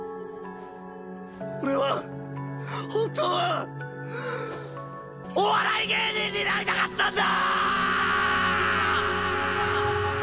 俺は本当はお笑い芸人になりたかったんだ‼